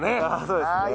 そうですね。